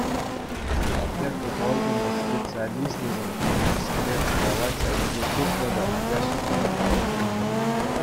Опека органӗн специалисчӗсем пӗчӗкскере кравать айӗнче тупнӑ та ача ҫуртне панӑ.